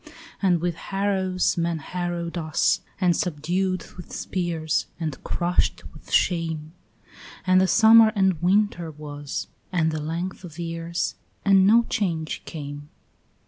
And with harrows men harrowed us, and subdued with spears, And crushed with shame; And the summer and winter was, and the length of years, And no change came.